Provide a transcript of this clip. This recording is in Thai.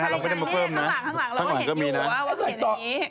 ใช่ข้างหลังเราก็เห็นอยู่ว่าเขาเห็นนี้